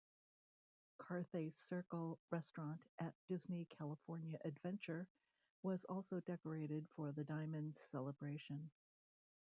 Carthay Circle Restaurant at Disney California Adventure was also decorated for the Diamond Celebration.